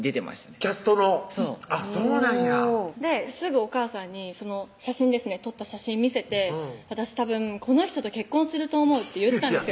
キャストのそうなんやすぐお母さんにその写真ですね撮った写真見せて「私たぶんこの人と結婚すると思う」って言ったんですよ